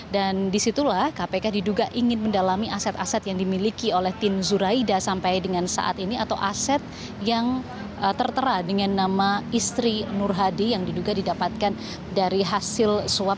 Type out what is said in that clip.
dan disitulah kpk diduga ingin mendalami aset aset yang dimiliki oleh tin zuraida sampai dengan saat ini atau aset yang tertera dengan nama istri nur hadi yang diduga didapatkan dari hasil swab